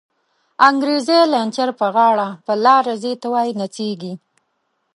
انگریزی لنچر په غاړه، په لار ځی ته وایی نڅیږی